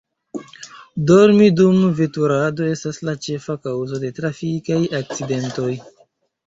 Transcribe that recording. Dormi dum veturado estas la ĉefa kaŭzo de trafikaj akcidentoj.